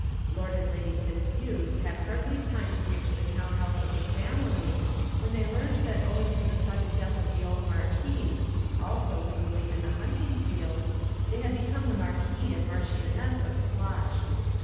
Lord and Lady Fitz buse had hardly time to reach the town house of the family when they learned that owing to the sudden death of the old Marquis (also, we believe, in the hunting field), they had become the Marquis and the Marchioness of Slush.